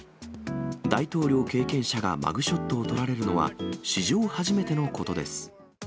大統領経験者がマグショットを撮られるのは、史上初めてのことです。